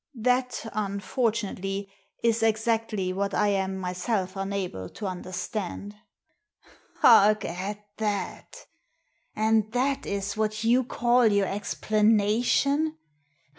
" That, unfortunately, is exactly what I am myself unable to understand." " Hark at that ! And that is what you call your explanation